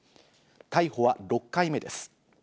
逮捕は６回目です。